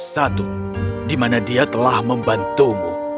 satu di mana dia telah membantumu